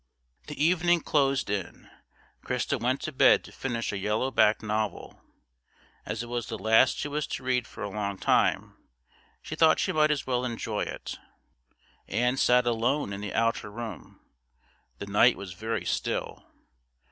The evening closed in. Christa went to bed to finish a yellow backed novel. As it was the last she was to read for a long time, she thought she might as well enjoy it. Ann sat alone in the outer room. The night was very still.